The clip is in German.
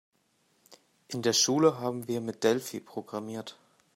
In der Schule haben wir mit Delphi programmiert.